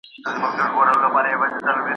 ایا ستا لارښود ستا مشوره مني؟